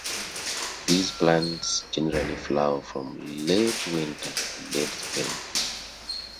These plants generally flower from late winter to late spring.